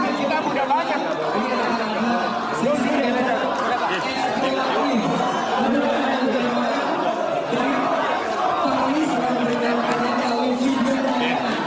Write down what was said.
jenjhmmangut diaks healthy mengintimaisiti di westfalia petang mike enam